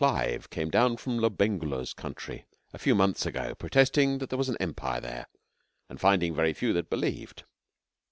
Clive came down from Lobengula's country a few months ago protesting that there was an empire there, and finding very few that believed.